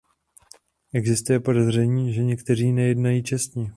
Existuje podezření, že někteří nejednají čestně.